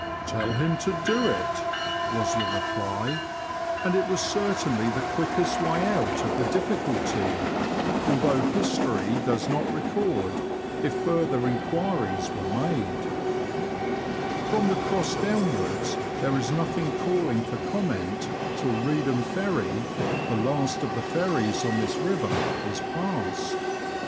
Tell him to do it," was the reply, and it was certainly the quickest way out of the difficulty, although history does not record if further enquiries were made. Digitized by VjOOQIC NORWICH TO LOWESTOFT. 15 From the Cross downwards there is nothing calling for comment till Reedham Ferry, the last of the ferries on this river, is passed.